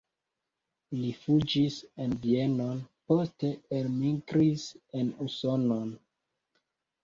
Li fuĝis en Vienon, poste elmigris en Usonon.